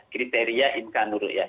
kriteria imkanul ru'yah